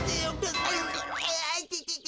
ああいててて。